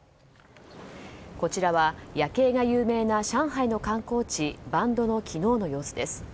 こちらは、夜景が有名な上海の観光地バンドの昨日の様子です。